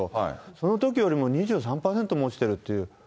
そのときよりも２３％も落ちてるっていう。